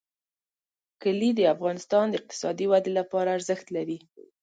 کلي د افغانستان د اقتصادي ودې لپاره ارزښت لري.